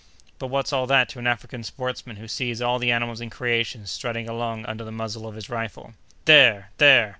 "But what's all that to an African sportsman who sees all the animals in creation strutting along under the muzzle of his rifle? There! there!